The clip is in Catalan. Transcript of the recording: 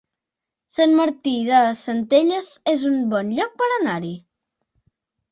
Sant Martí de Centelles es un bon lloc per anar-hi